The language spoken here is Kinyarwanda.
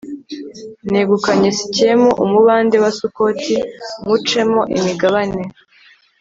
negukanye sikemu, umubande wa sukoti nywucemo imigabane